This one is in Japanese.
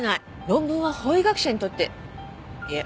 論文は法医学者にとっていえ